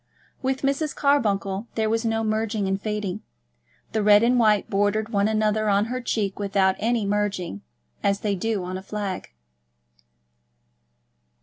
With Mrs. Carbuncle there was no merging and fading. The red and white bordered one another on her cheek without any merging, as they do on a flag.